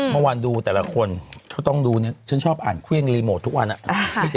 เมื่อวานดูแต่ละคนก็ต้องดูเนี่ยฉันชอบอ่านเครื่องรีโมททุกวันอะ